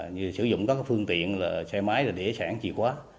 như sử dụng các phương tiện là xe máy đĩa sản chìa khóa